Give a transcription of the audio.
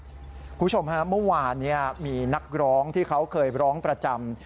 คุณผู้ชมฮะเมื่อวานมีนักร้องที่เขาเคยร้องประจำ